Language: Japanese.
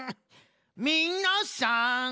みなさん